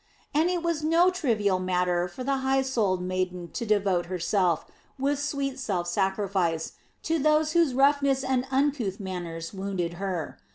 And it was no trivial matter for the high souled maiden to devote herself, with sweet self sacrifice, to those whose roughness and uncouth manners wounded her.